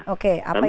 oke apa itu pak